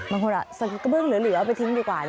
บางคนใส่กระเบื้องเหลือเอาไปทิ้งดีกว่า